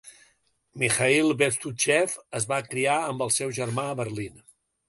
Mikhail Bestuzhev es va criar amb el seu germà a Berlín.